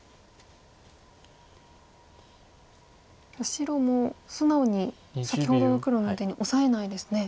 白も素直に先ほどの黒の出にオサえないですね。